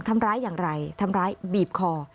ทำร้ายอย่างไรทำร้ายบีบคอ